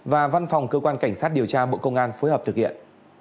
và văn phòng cơ quan cảnh sát điều tra bộ công an phối hợp thực hiện